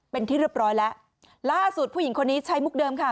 เป็นที่เรียบร้อยแล้วล่าสุดผู้หญิงคนนี้ใช้มุกเดิมค่ะ